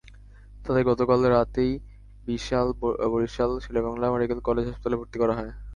তাঁদের গতকাল রাতেই বরিশাল শেরেবাংলা মেডিকেল কলেজ হাসপাতালে ভর্তি করা হয়।